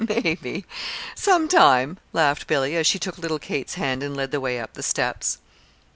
"Maybe sometime," laughed Billy, as she took little Kate's hand and led the way up the steps.